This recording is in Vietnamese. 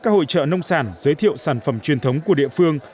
các hội trợ nông sản giới thiệu sản phẩm truyền thống của địa phương